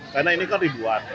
karena ini kan ribuan